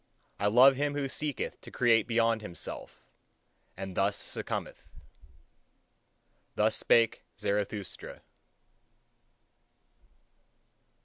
I love him who seeketh to create beyond himself, and thus succumbeth. Thus spake Zarathustra.